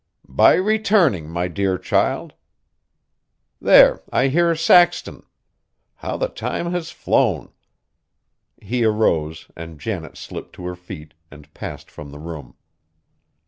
"By returning, my dear child! There I hear Saxton, how the time has flown!" He arose and Janet slipped to her feet, and passed from the room.